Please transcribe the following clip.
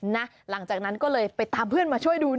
หลังจากนั้นก็เลยไปตามเพื่อนมาช่วยดู